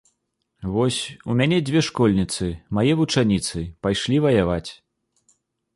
Вось, у мяне дзве школьніцы, мае вучаніцы, пайшлі ваяваць.